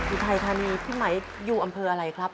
อุทัยธานีพี่ไหมอยู่อำเภออะไรครับ